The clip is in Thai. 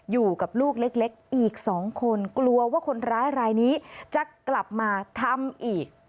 อยู่กับลูกเล็กอีกสองคนกลัวว่าคนร้ายรายนี้จะกลับมาทำอีก